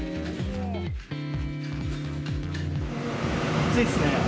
暑いですね。